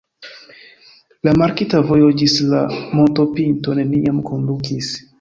La markita vojo ĝis la montopinto neniam kondukis.